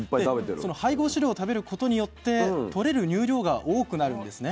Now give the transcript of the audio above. その配合飼料を食べることによってとれる乳量が多くなるんですね。